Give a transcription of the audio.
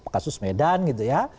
kasus medan gitu ya